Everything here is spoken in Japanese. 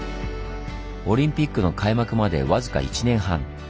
オリンピックの開幕まで僅か１年半。